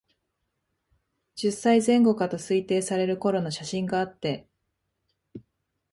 十歳前後かと推定される頃の写真であって、